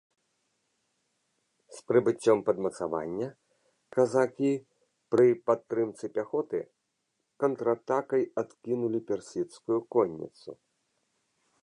З прыбыццём падмацавання казакі, пры падтрымцы пяхоты, контратакай адкінулі персідскую конніцу.